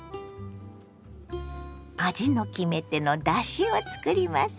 味の決め手のだしを作ります。